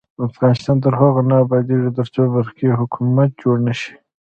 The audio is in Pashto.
افغانستان تر هغو نه ابادیږي، ترڅو برقی حکومت جوړ نشي.